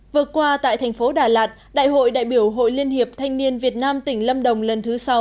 vừa qua tại thành phố đà lạt đại hội đại biểu hội liên hiệp thanh niên việt nam tỉnh lâm đồng lần thứ sáu